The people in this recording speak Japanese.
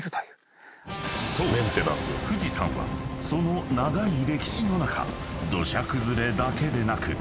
富士山はその長い歴史の中土砂崩れだけでなく］